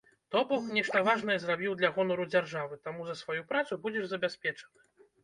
То бок нешта важкае зрабіў для гонару дзяржавы, таму за сваю працу будзеш забяспечаны.